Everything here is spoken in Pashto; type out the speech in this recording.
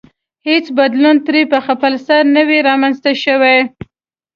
هېڅ بدلون ترې په خپلسر نه وي رامنځته شوی.